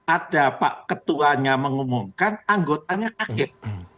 ada pak ketuanya mengumumkan anggotanya kaget